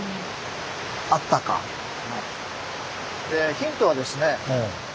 ヒントはですね